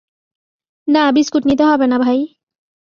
না, বিস্কুট নিতে হবে না, ভাই।